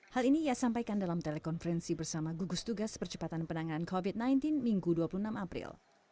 hal ini ia sampaikan dalam telekonferensi bersama gugus tugas percepatan penanganan covid sembilan belas minggu dua puluh enam april